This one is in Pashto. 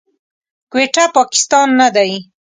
کويټه، پاکستان نه دی.